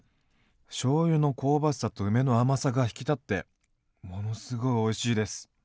しょうゆの香ばしさと梅の甘さが引き立ってものすごいおいしいです。